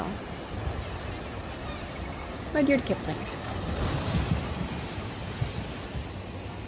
RUDYARD KIPLING.